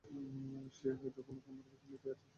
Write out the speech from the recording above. সে হয়তো কোনো খাম্বার পেছনে লুকিয়ে আছে।